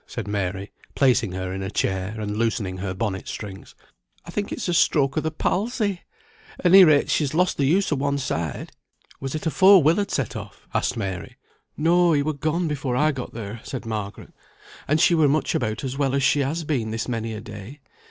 said Mary, placing her in a chair, and loosening her bonnet strings. "I think it's a stroke o' the palsy. Any rate she has lost the use of one side." "Was it afore Will had set off?" asked Mary. "No; he were gone before I got there," said Margaret; "and she were much about as well as she has been this many a day.